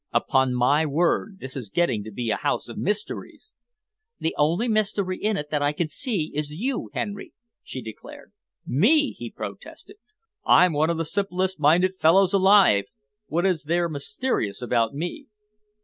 Upon my word, this is getting to be a house of mysteries!" "The only mystery in it that I can see, is you, Henry," she declared. "Me?" he protested. "I'm one of the simplest minded fellows alive. What is there mysterious about me?"